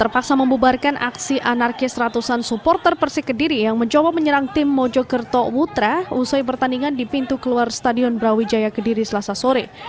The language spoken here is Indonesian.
persik kediri menang satu atas psmp mojokerto